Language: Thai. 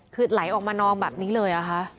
คือไหลออกมานองแบบนี้เลยอะคะ